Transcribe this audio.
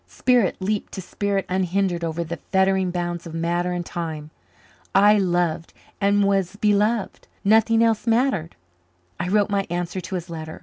Spirit leaped to spirit unhindered over the fettering bounds of matter and time. I loved and was beloved. Nothing else mattered. I wrote my answer to his letter.